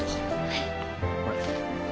はい。